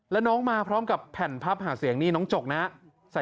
แล้วน้องมาพร้อมกับแผ่นพับหาเสียงนี่น้องจกนะ